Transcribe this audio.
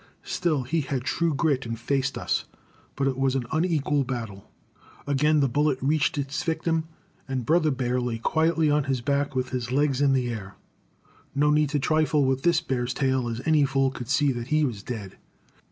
Still he had true grit, and faced us; but it was an unequal battle. Again the bullet reached its victim, and brother ba'r lay quietly on his back with his legs in the air. No need to trifle with this bear's tail, as any fool could see that he was dead.